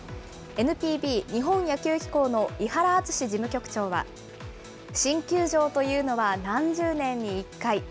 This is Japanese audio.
ＮＰＢ・日本野球機構の井原敦事務局長は、新球場というのは何十年に１回。